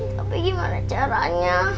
tapi gimana caranya